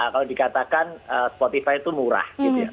kalau dikatakan spotify itu murah